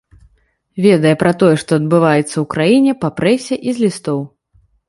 Ведае пра тое, што адбываецца ў краіне па прэсе і з лістоў.